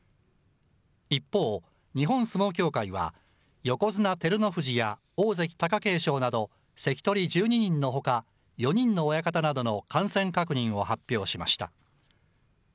一方、日本相撲協会は、横綱・照ノ富士や大関・貴景勝など関取１２人のほか、４人の親方などの感染確認を発表しました。